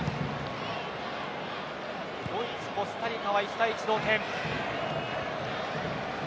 ドイツ、コスタリカは１対１同点。